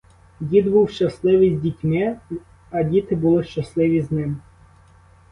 Дід був щасливий з дітьми, а діти були щасливі з ним.